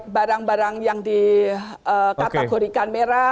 barang barang yang di kategorikan merah